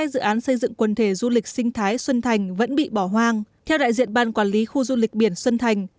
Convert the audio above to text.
dự án xây dựng quần thể du lịch sinh thái xuân thành vẫn bị bỏ hoang theo đại diện ban quản lý khu du lịch biển xuân thành